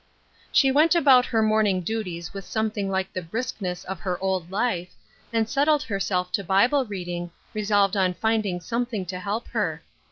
She went about her morning duties with some thing like the briskness of her old life, and set tled herself to Bible reading, resolved on finding something to help her.